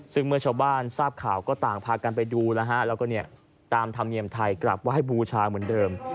ซึ่งเมื่อชาวบ้านทราบข่าวก็ต่างพากันไปดูนะฮะแล้วก็ตามธรรมเนียมไทยกลับว่าให้บูชาเหมือนเดิม